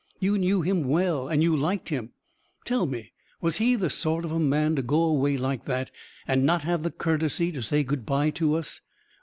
"You knew him well and you liked him. Tell me, was he the sort of man to go away like that and not have the courtesy to say good bye to us?